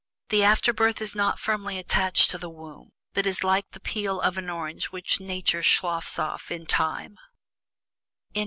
The afterbirth is not firmly attached to the womb, but is like the peel of an orange which Nature sloughs off in due time.